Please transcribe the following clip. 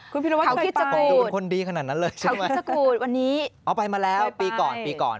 คุณพีรวัตรใกล้ไปข่าวคิดจะกูดข่าวคิดจะกูดวันนี้เอาไปมาแล้วปีก่อนปีก่อน